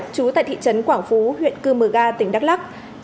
trú tại thị trấn quảng phú huyện cư mờ ga tỉnh đắk lắc